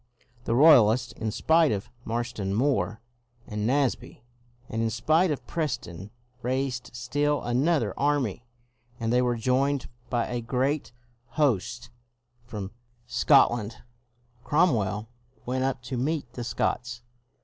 The Roy alists, in spite of Marston Moor and Naseby, and in spite of Preston, raised still another army, and they were joined by a great host from Scotland. Cromwell went up to meet the Scots.